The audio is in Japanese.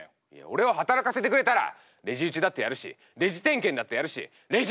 俺を働かせてくれたらレジ打ちだってやるしレジ点検だってやるしレジ洗いだってするよ。